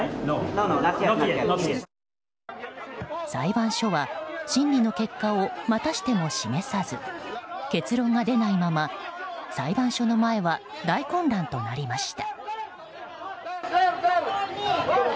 裁判所は審理の結果をまたしても示さず結論が出ないまま、裁判所の前は大混乱となりました。